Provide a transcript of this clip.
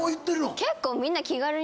結構みんな。